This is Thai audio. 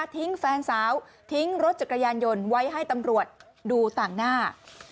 แฟนสาวทิ้งรถจักรยานยนต์ไว้ให้ตำรวจดูต่างหน้า